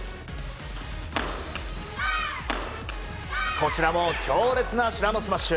こちらも強烈な志田のスマッシュ！